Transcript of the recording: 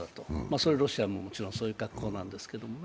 それロシアももちろんそういう格好なんですけれども。